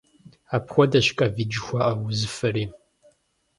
Апхуэдэщ ковид жыхуаӏэ узыфэри.